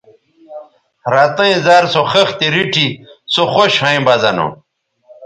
رَتیئں زر سو خِختے ریٹھی سو خوش ھویں بہ زہ نو